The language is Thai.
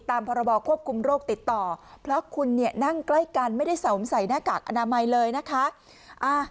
อาจจะมาใหม่เลยนะคะ